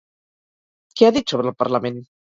Què ha dit sobre el parlament?